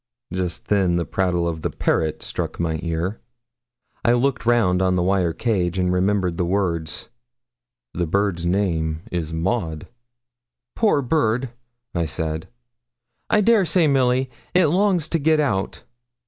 Just then the prattle of the parrot struck my ear. I looked round on the wire cage, and remembered the words, 'The bird's name is Maud.' 'Poor bird!' I said. 'I dare say, Milly, it longs to get out.